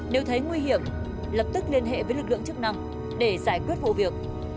nếu thấy nguy hiểm lập tức liên hệ với lực lượng chức năng để giải quyết vụ việc